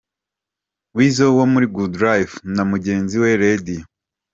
Weasel wo muri Good Life na mugenzi we Radio.